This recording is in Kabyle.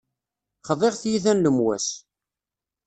Xḍiɣ tiyita n lemwas.